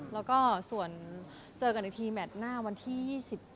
แล้วก็ส่วนเจอกันอีกทีแมทหน้าวันที่๒๘